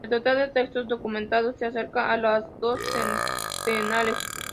El total de textos documentados se acerca a los dos centenares.